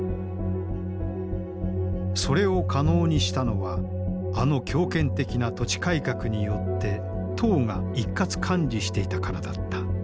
それを可能にしたのはあの強権的な土地改革によって党が一括管理していたからだった。